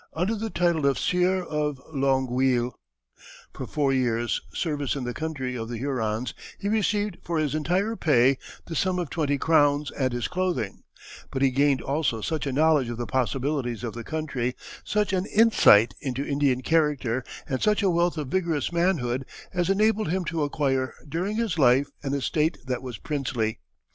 under the title of Sieur of Longueuil. For four years service in the country of the Hurons he received for his entire pay the sum of twenty crowns and his clothing, but he gained also such a knowledge of the possibilities of the country, such an insight into Indian character, and such a wealth of vigorous manhood as enabled him to acquire during his life an estate that was princely.